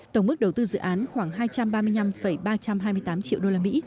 tổng mức đầu tư dự án khoảng hai trăm ba mươi năm ba trăm hai mươi tám triệu usd